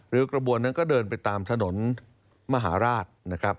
ริ้วกระบวนนั้นก็เดินไปตามถนนมหาราช